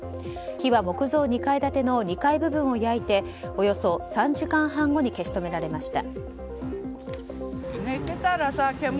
火は木造２階建ての２階部分を焼いておよそ３時間半後に消し止められました。